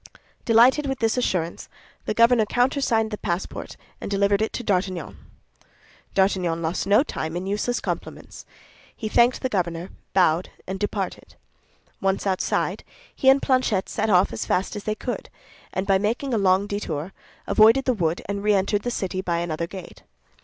Delighted with this assurance the governor countersigned the passport and delivered it to D'Artagnan. D'Artagnan lost no time in useless compliments. He thanked the governor, bowed, and departed. Once outside, he and Planchet set off as fast as they could; and by making a long detour avoided the wood and reentered the city by another gate.